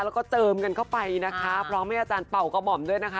แล้วก็เจิมเงินเข้าไปนะคะท้าที่พี่อาจารย์เป่ากบ่๋มด้วยนะคะ